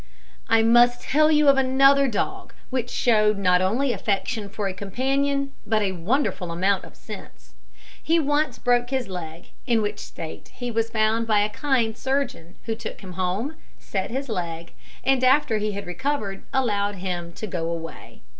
I must tell you of another dog which showed not only affection for a companion, but a wonderful amount of sense. He once broke his leg, in which state he was found by a kind surgeon, who took him home, set his leg, and after he had recovered allowed him to go away.